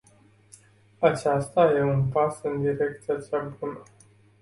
Acesta e un pas în direcția cea bună.